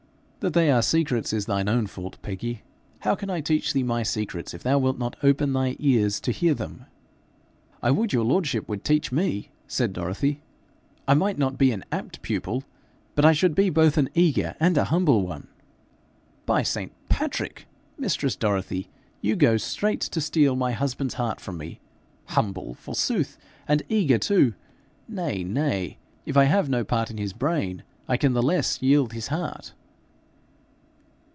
'That they are secrets is thine own fault, Peggy. How can I teach thee my secrets if thou wilt not open thine ears to hear them?' 'I would your lordship would teach me!' said Dorothy. 'I might not be an apt pupil, but I should be both an eager and a humble one.' 'By St. Patrick! mistress Dorothy, but you go straight to steal my husband's heart from me. "Humble," forsooth! and "eager" too! Nay! nay! If I have no part in his brain, I can the less yield his heart.'